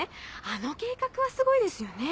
あの計画はすごいですよね。